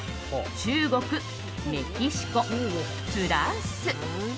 中国、メキシコ、フランス。